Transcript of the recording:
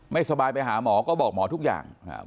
ไม่สบายไปหาหมอก็บอกหมอทุกอย่าง